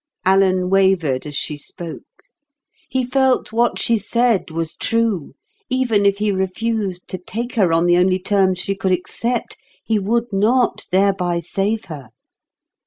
Alan wavered as she spoke. He felt what she said was true; even if he refused to take her on the only terms she could accept, he would not thereby save her.